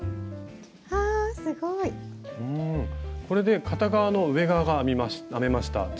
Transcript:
これで片側の上側が編めました。